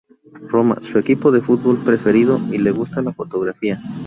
Roma, su equipo de fútbol preferido, y le gusta la fotografía.